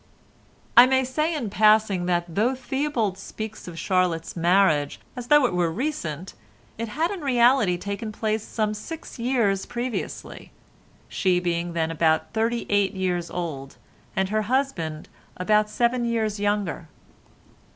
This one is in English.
I may say in passing that though Theobald speaks of Charlotte's marriage as though it were recent, it had really taken place some six years previously, she being then about thirty eight years old, and her husband about seven years younger.